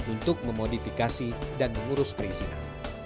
untuk memodifikasi dan mengurus perizinan